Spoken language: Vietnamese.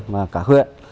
mà cả huyện